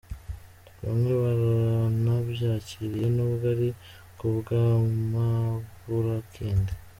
Bamwe baranabyakiriye, n’ubwo ari ku bw’amaburakindi.